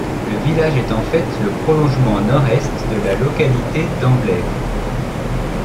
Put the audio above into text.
Le village est en fait le prolongement nord-est de la localité d'Amblève.